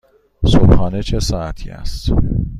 صبحانه چه ساعتی است؟